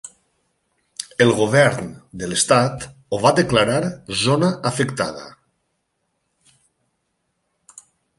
El Govern de l'Estat ho va declarar zona afectada.